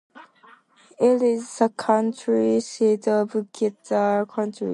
It is the county seat of Kidder County.